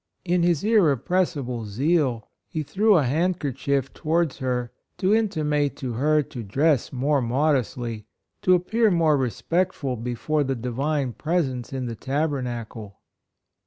In his irrepressible zeal, he threw a handkerchief to wards her to intimate to her to dress more modestly — to appear more respectful before the Divine Presence in the Tabernacle.